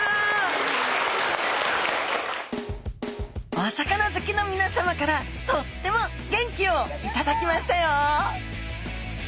お魚好きのみなさまからとっても元気を頂きましたよ